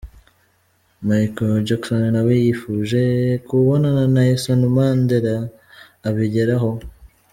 Michael Jackson nawe yifuje kubonana na Nelson Mandela abigeraho.